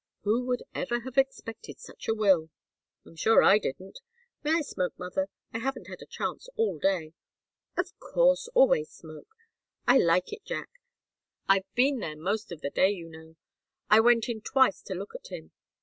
"Who would ever have expected such a will?" "I'm sure I didn't. May I smoke, mother? I haven't had a chance all day." "Of course always smoke. I like it. Jack I've been there most of the day, you know. I went in twice to look at him.